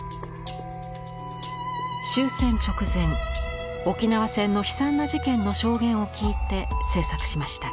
終戦直前沖縄戦の悲惨な事件の証言を聞いて制作しました。